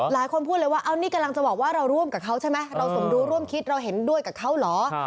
หลายคนพูดเลยว่านี่กำลังจะบอกว่าเราร่วมกับเขาใช่ไหมเราสมรู้ร่วมคิดเราเห็นด้วยกับเขาเหรอ